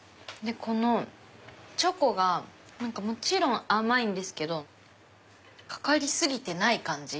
このチョコがもちろん甘いんですけどかかり過ぎてない感じ。